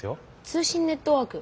通信ネットワーク？